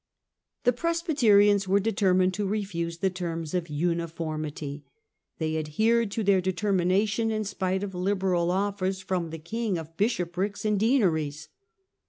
The Presbyterians were determined to refuse the terms of Uniformity. They adhered to their determina tion in spite of liberal offers from the king of bishoprics The farewell and deaneries.